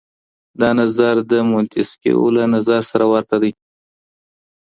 دا نظر د منتسکيو له نظر سره ورته دی.